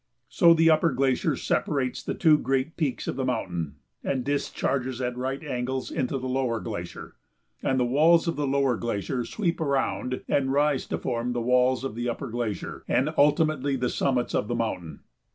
So the upper glacier separates the two great peaks of the mountain and discharges at right angles into the lower glacier. And the walls of the lower glacier sweep around and rise to form the walls of the upper glacier, and ultimately the summits of the mountain.